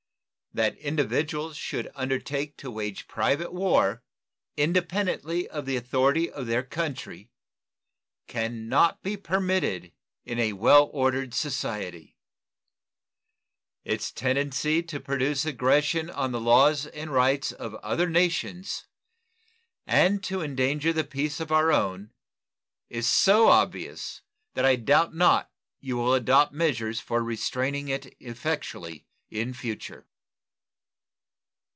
That individuals should undertake to wage private war, independently of the authority of their country, can not be permitted in a well ordered society. Its tendency to produce aggression on the laws and rights of other nations and to endanger the peace of our own is so obvious that I doubt not you will adopt measures for restraining it effectually in future.